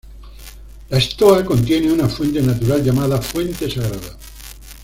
La stoa contiene una fuente natural, llamada "Fuente Sagrada".